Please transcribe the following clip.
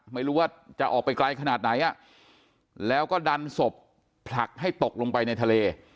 ไม่รู้ว่าจะออกไปไกลขนาดไหนแล้วก็ดันศพผลักให้ตกลงไปในทะเล